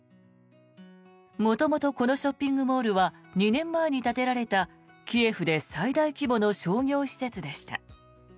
元々、このショッピングモールは２年前に建てられたキエフで最大規模の商業施設でした。